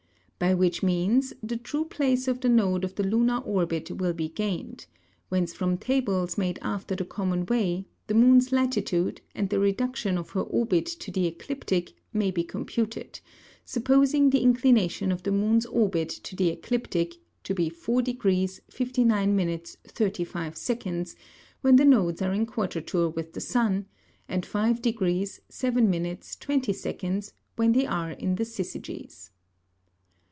By which means, the true Place of the Node of the Lunar Orbit will be gained: Whence from Tables made after the common way, the Moon's Latitude, and the Reduction of her Orbit to the Ecliptick, may be computed, supposing the Inclination of the Moon's Orbit to the Ecliptick, to be 4 degrees, 59 minutes, 35 seconds, when the Nodes are in Quadrature with the Sun; and 5 degrees, 17 minutes, 20 seconds, when they are in the Syzygys.